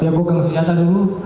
dia gokang senjata dulu